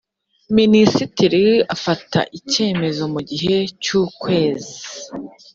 minisitiri afata icyemezo mu gihe cy’ukwezi